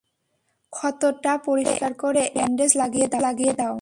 ক্ষতটা পরিষ্কার করে একটা ব্যান্ডেজ লাগিয়ে দাও।